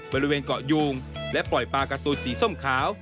บริเวณเกาะยูงและปล่อยปลาการ์ตูนสีส้มขาว